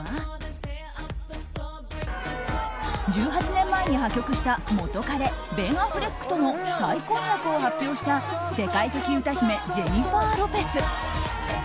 １８年前に破局した元カレベン・アフレックとの再婚約を発表した世界的歌姫ジェニファー・ロペス。